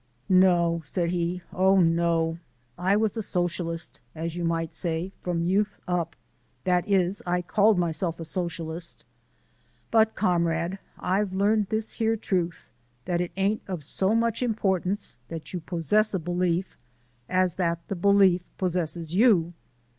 "No," said he, "oh, no. I was a Socialist, as you might say, from youth up. That is, I called myself a Socialist, but, comrade, I've learned this here truth: that it ain't of so much importance that you possess a belief, as that the belief possess you.